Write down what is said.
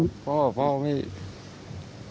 อยู่ดีมาตายแบบเปลือยคาห้องน้ำได้ยังไง